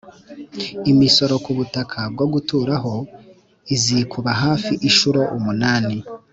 imisoro ku butaka bwo guturaho izikuba hafi inshuro umunani